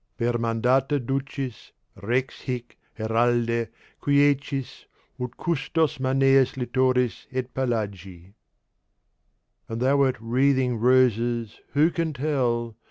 (1) (1) Per mandata Ducis, Rex hic, Heralde, quiescis, Ut custos maneas littoris et pelagi. And thou wert wreathing Roses who can tell?